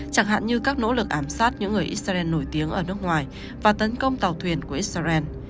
chẳng hạn như các nỗ lực ám sát những người israel nổi tiếng ở nước ngoài và tấn công tàu thuyền của israel